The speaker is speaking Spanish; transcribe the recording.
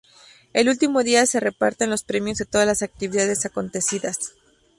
El último día se reparten los premios de todas las actividades acontecidas.